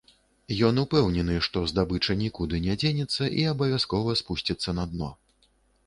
Ён упэўнены, што здабыча нікуды не дзенецца і абавязкова спусціцца на дно.